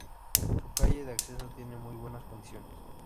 Su calle de acceso tiene muy buenas condiciones.